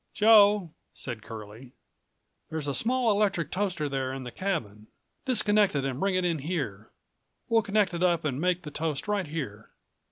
"Joe," said Curlie, "there's a small electric toaster there in the cabin. Disconnect it and bring it in here. We'll connect it up and make the toast right here."